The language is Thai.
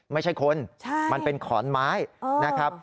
ไม่ใช่คนมันเป็นขอนไม้นะครับ